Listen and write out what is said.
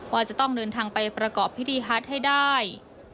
ว่าจะต้องเดินทางไปประกอบพิธีฮัตให้ได้